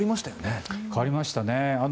変わりましたね。